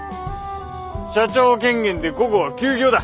社長権限で午後は休業だ！